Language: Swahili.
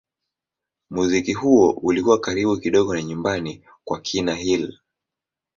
Muziki huo ulikuwa karibu kidogo na nyumbani kwa kina Hill.